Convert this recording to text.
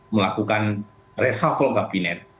melakukan resafol kabinet